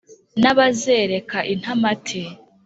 N' abazereka Intamati,